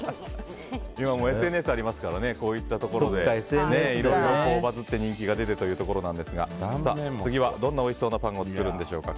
今、ＳＮＳがありますからこういったところでいろいろバズって人気が出てというところですが次は、どんなおいしそうなパンを作るんでしょうか。